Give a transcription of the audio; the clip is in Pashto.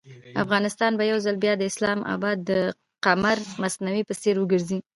افغانستان به یو ځل بیا د اسلام اباد د قمر مصنوعي په څېر وګرځي.